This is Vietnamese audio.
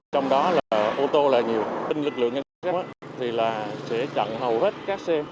trong đó là ô tô là nhiều tinh lực lượng nhanh chóng thì là sẽ chặn hầu hết các xe